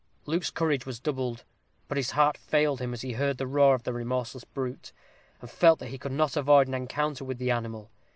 Luke's courage was undoubted. But his heart failed him as he heard the roar of the remorseless brute, and felt that he could not avoid an encounter with the animal.